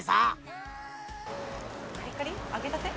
カリカリ？揚げたて？